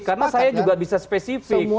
karena saya juga bisa spesifik